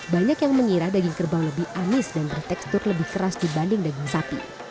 banyak yang mengira daging kerbau lebih anis dan bertekstur lebih keras dibanding daging sapi